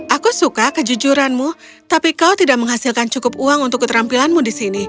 aku suka kejujuranmu tapi kau tidak menghasilkan cukup uang untuk keterampilanmu di sini